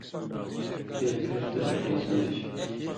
چے بھرتہ لکھَیں سن٘دُژ۔